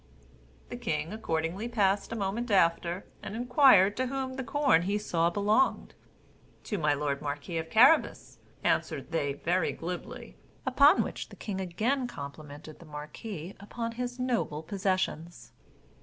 The king accordingly passed a moment after, and inquired to whom the corn he saw belonged? "To my lord marquis of Carabas," answered they very glibly; upon which the king again complimented the marquis upon his noble possessions.